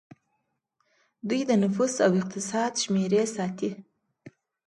دوی د نفوس او اقتصاد شمیرې ساتي.